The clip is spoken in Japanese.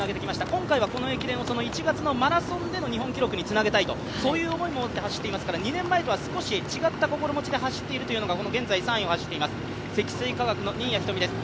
今回はこの駅伝を１月のマラソンでの日本記録につなげたい、そういう思いを持って走っていますから、２年前とは少し違った心持ちで走っているというのが、現在２位で走る積水化学の新谷仁美です。